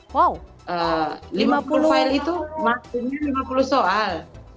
lima puluh file itu maksudnya lima puluh soal